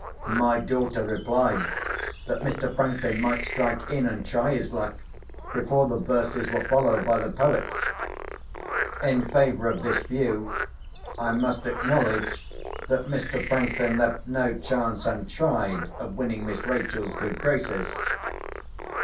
My daughter replied, that Mr. Franklin might strike in, and try his luck, before the verses were followed by the poet. In favour of this view, I must acknowledge that Mr. Franklin left no chance untried of winning Miss Rachel's good graces.